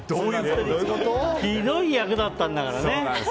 ひどい役だったんだから！